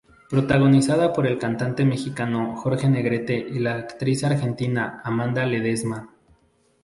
Protagonizada por el cantante mexicano Jorge Negrete y la actriz argentina Amanda Ledesma.